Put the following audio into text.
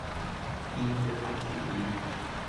in 都費事 in